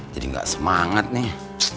jadi ga semangat nih